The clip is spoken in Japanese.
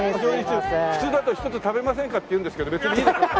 普通だと「一つ食べませんか？」って言うんですけど別にいいです。